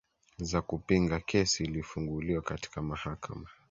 za kupinga kesi iliofunguliwa katika mahakama